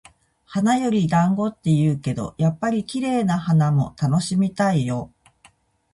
「花より団子」って言うけど、やっぱり綺麗な花も楽しみたいよ。